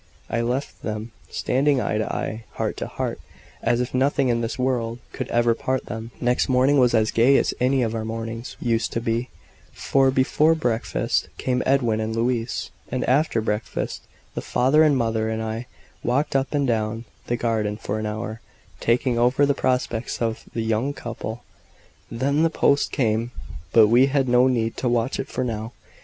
I left them, standing eye to eye, heart to heart, as if nothing in this world could ever part them. Next morning was as gay as any of our mornings used to be, for, before breakfast, came Edwin and Louise. And after breakfast, the father and mother and I walked up and down the garden for an hour, talking over the prospects of the young couple. Then the post came but we had no need to watch for it now.